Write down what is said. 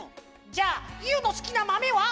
じゃあユーのすきなまめは？